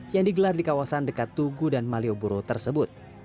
yang digelar di kawasan dekat tugu dan malioboro tersebut